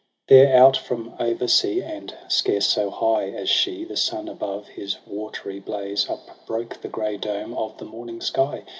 4 There, out from over sea, and scarce so high As she, the sun above his watery blaze Upbroke the grey dome of the morning sky.